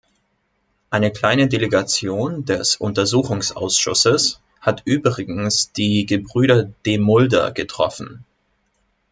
Eine kleine Delegation des Untersuchungsausschusses hat übrigens die Gebrüder Demulder getroffen.